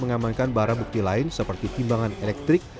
mengamankan barang bukti lain seperti timbangan elektrik